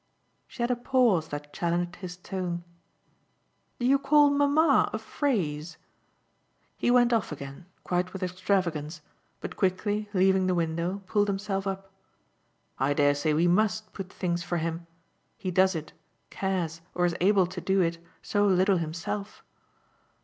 She had a pause that challenged his tone. "Do you call mamma a 'phrase'?" He went off again, quite with extravagance, but quickly, leaving the window, pulled himself up. "I dare say we MUST put things for him he does it, cares or is able to do it, so little himself."